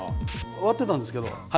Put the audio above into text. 割ってたんですけど鉢。